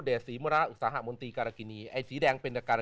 แต่เดี๋ยวนักประคุณเรียนคุณอะไรมันเป็นคนกลัว